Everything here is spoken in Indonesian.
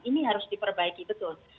ini harus diperbaiki betul